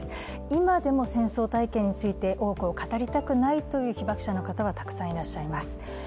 今でも戦争体験について多くを語りたくないという被ばく者の方はたくさんいらっしゃいます。